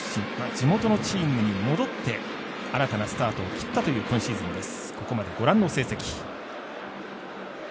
地元のチームに戻って新たなスタートを切ったという今シーズンです。